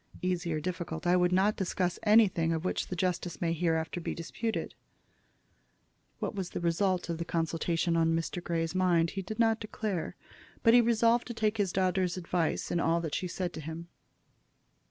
"Easy or difficult. I would not discuss anything of which the justice may hereafter be disputed." What was the result of the consultation on Mr. Grey's mind he did not declare, but he resolved to take his daughter's advice in all that she said to him.